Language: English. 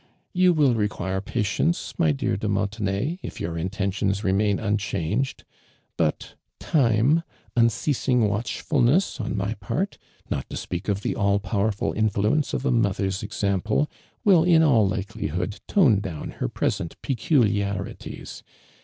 "You will re(juire patience, my dear de Montenay, if your intentions renriin un changed. But time, unceasuig watchful ness on my pait, not to speak of tho all powerful influence of a mother's example, will in all likelihood tone down her present peculiarities.